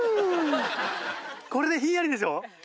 これでひんやりでしょ？